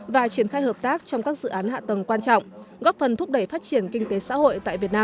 và triển khai hợp tác trong các dự án hạ tầng quan trọng góp phần thúc đẩy phát triển kinh tế xã hội tại việt nam